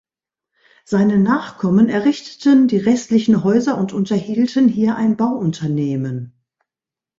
Seine Nachkommen errichteten die restlichen Häuser und unterhielten hier ein Bauunternehmen.